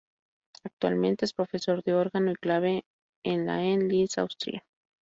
Actualmente es profesor de órgano y clave en la en Linz, Austria.